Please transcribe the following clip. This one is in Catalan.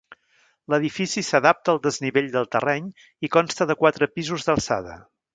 L'edifici s'adapta al desnivell del terreny i consta de quatre pisos d'alçada.